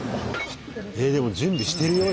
えっでも準備してるよ